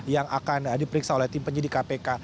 yang akan diperiksa oleh tim penyidik kpk